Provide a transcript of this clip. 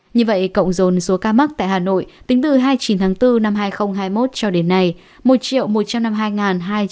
như vậy cộng dồn số ca mắc tại hà nội tính từ hai mươi chín tháng bốn năm hai nghìn hai mươi một cho đến nay một một trăm năm mươi hai hai trăm ba mươi